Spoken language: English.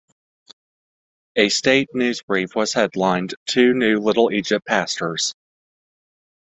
A state news brief was headlined, Two New Little Egypt Pastors.